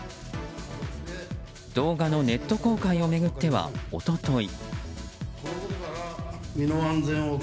動画のネット公開を巡っては一昨日。